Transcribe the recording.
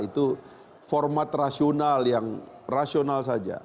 itu format rasional yang rasional saja